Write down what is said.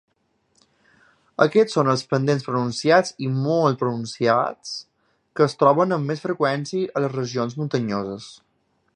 Aquests són els pendents pronunciats i molt pronunciats que es troben amb més freqüència a les regions muntanyoses.